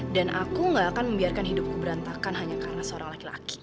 dan aku gak akan membiarkan hidupku berantakan hanya karena seorang laki laki